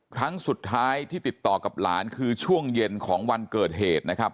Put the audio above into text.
ครั้งสุดท้ายที่ติดต่อกับหลานคือช่วงเย็นของวันเกิดเหตุนะครับ